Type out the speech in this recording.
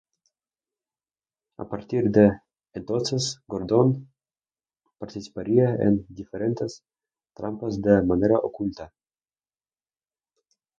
A partir de entonces Gordon participaría en diferentes trampas de manera oculta.